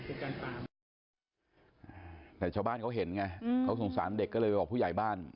แต่ชาวบ้านเขาเห็นไงเขาสงสารเด็กก็เลยไปบอกผู้ใหญ่บ้าน